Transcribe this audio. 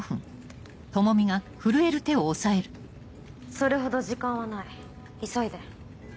それほど時間はない急いで。